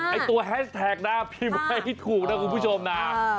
ไอ้ตัวแฮชแท็กนะพิมพ์ให้ถูกนะคุณผู้ชมนะ